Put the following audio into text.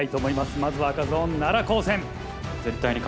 まずは赤ゾーン奈良高専。